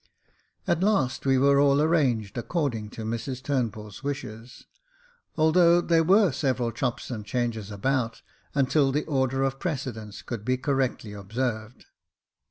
At last we were all arranged according to Mrs TurnbuU's wishes, although there were several chops and changes about, until the order of precedence could be correctly observed.